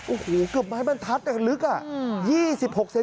โอ้โหเกือบไม้มันทัดแต่ลึก๒๖เซนติเมตร